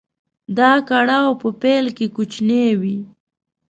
دا کړاو په پيل کې کوچنی وي.